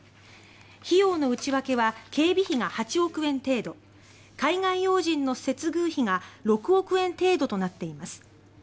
費用の内訳は警備費が８億円程度海外要人の接遇費が６億円程度となっています。